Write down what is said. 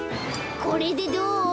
これでどう？